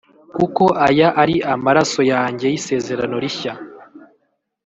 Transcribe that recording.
kuko aya ari amaraso yanjye y’isezerano rishya